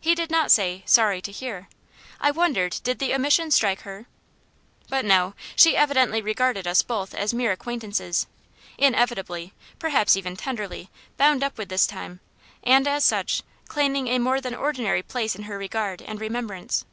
He did not say "sorry to hear." I wondered did the omission strike her? But no she evidently regarded us both as mere acquaintances, inevitably, perhaps even tenderly, bound up with this time; and as such, claiming a more than ordinary place in her regard and remembrance.